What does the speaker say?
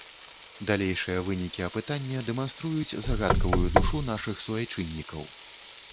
Далейшыя вынікі апытання дэманструюць загадкавую душу нашых суайчыннікаў.